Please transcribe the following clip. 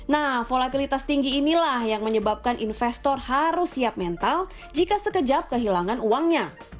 nah volatilitas tinggi inilah yang menyebabkan investor harus siap mental jika sekejap kehilangan uangnya